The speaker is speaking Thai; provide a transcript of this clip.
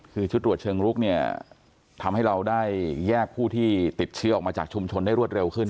คือชุดตรวจเชิงลุกเนี่ยทำให้เราได้แยกผู้ที่ติดเชื้อออกมาจากชุมชนได้รวดเร็วขึ้น